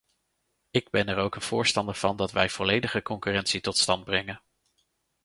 Ik ben er ook een voorstander van dat wij volledige concurrentie tot stand brengen.